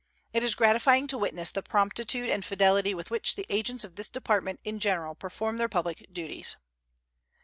It is gratifying to witness the promptitude and fidelity with which the agents of this Department in general perform their public duties.